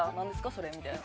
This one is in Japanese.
それ」みたいな。